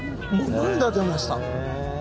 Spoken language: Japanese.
もう涙出ました。